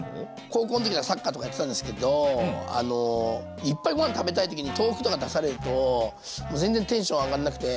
高校の時にはサッカーとかやってたんですけどいっぱいご飯食べたい時に豆腐とか出されると全然テンション上がんなくて。